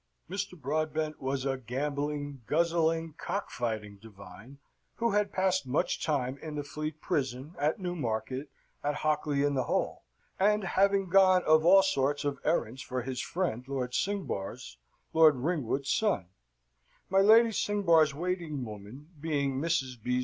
Mr. Broadbent was a gambling, guzzling, cock fighting divine, who had passed much time in the Fleet Prison, at Newmarket, at Hockley in the Hole; and having gone of all sorts of errands for his friend, Lord Cingbars, Lord Ringwood's son (my Lady Cingbars's waiting woman being Mr. B.'